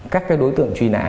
các cái đối tượng truy nã